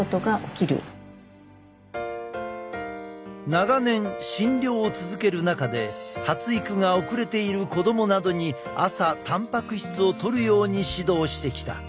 長年診療を続ける中で発育が遅れている子供などに朝たんぱく質をとるように指導してきた。